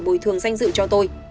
bồi thường danh dự cho tôi